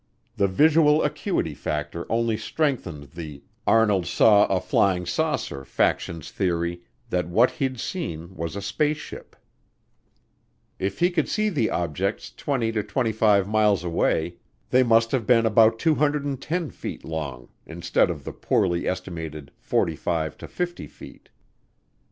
The visual acuity factor only strengthened the "Arnold saw a flying saucer" faction's theory that what he'd seen was a spaceship. If he could see the objects 20 to 25 miles away, they must have been about 210 feet long instead of the poorly estimated 45 to 50 feet.